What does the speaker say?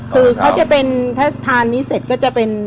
คือเขาจะเป็นถ้าทานนี้เสร็จก็จะเป็น